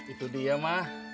itu dia ma